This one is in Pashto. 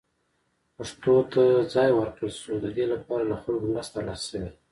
پښتو ته ځای ورکړل شو، د دې لپاره له خلکو مرسته ترلاسه شوې ده.